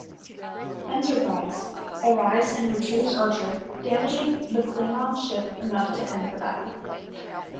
"Enterprise" arrives and retrieves Archer, damaging the Klingon ship enough to end the battle.